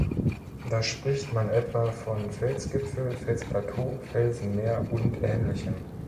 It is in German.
Da spricht man etwa von "Felsgipfel", "Felsplateau", "Felsenmeer" und Ähnlichem.